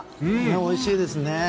おいしいですね。